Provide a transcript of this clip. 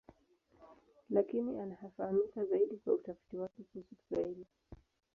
Lakini anafahamika zaidi kwa utafiti wake kuhusu Kiswahili.